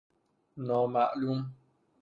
نا معلوم